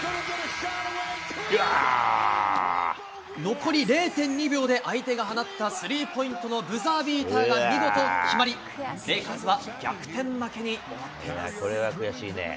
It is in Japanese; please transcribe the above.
残り０．２秒で相手が放ったスリーポイントのブザービーターが見事決まり、レイカーズは逆転負けに終わっています。